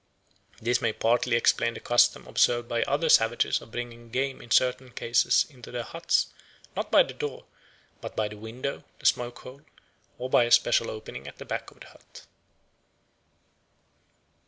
This may partly explain the custom observed by other savages of bringing game in certain cases into their huts, not by the door, but by the window, the smoke hole, or by a special opening at the back of the hut.